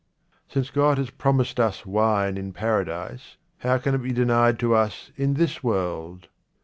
Since God has promised us wine in Paradise, how can it be denied to us in this world